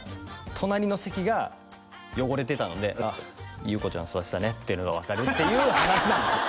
隣の席が汚れてたのでああ裕子ちゃん座ってたねっていうのが分かるっていう話なんですよ